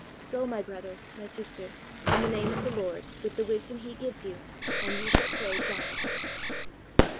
Go, my brother, my sister, in the name of the Lord, with the wisdom He gives you, and you shall slay giants.